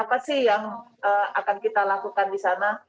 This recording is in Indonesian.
apa sih yang akan kita lakukan di sana